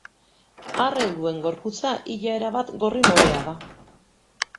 Ar helduen gorputza ia erabat gorri-morea da.